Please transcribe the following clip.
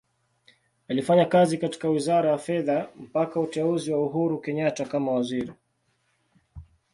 Alifanya kazi katika Wizara ya Fedha mpaka uteuzi wa Uhuru Kenyatta kama Waziri.